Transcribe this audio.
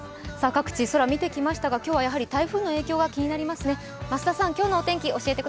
各地空見てきましたが今日は台風の影響が気になりますね。